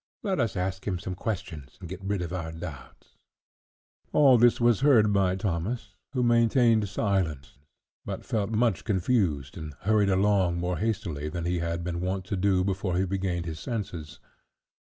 Let us ask him some questions, and get rid of our doubts." All this was heard by Thomas, who maintained silence, but felt much confused, and hurried along more hastily than he had been wont to do before he regained his senses.